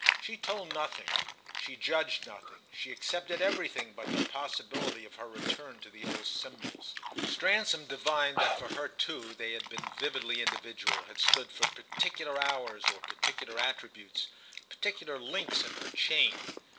She told nothing, she judged nothing; she accepted everything but the possibility of her return to the old symbols. Stransom divined that for her too they had been vividly individual, had stood for particular hours or particular attributes—particular links in her chain.